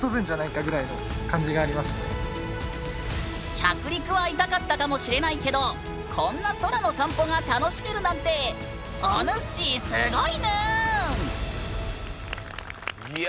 着陸は痛かったかもしれないけどこんな空の散歩が楽しめるなんていや。